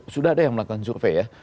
sudah ada yang melakukan survei ya